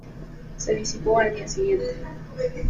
Se disipó al día siguiente.